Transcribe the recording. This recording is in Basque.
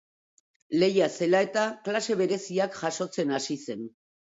Lehia zela eta, klase bereziak jasotzen hasi zen.